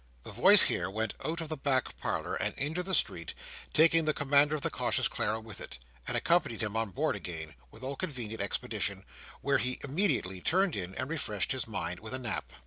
The voice here went out of the back parlour and into the street, taking the Commander of the Cautious Clara with it, and accompanying him on board again with all convenient expedition, where he immediately turned in, and refreshed his mind with a nap.